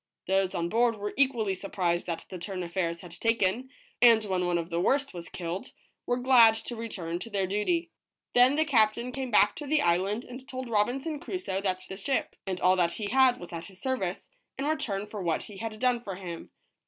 Those on board were equally sur prised at the turn affairs had taken, and when one of the worst was killed, were glad to return to their duty. Then 148 ROBINSON CRUSOE. the captain came back to the island, and told Robinson Crusoe that the ship and all that he had was at his service, in return for what he had done for him.